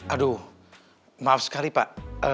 aduh maaf sekali pak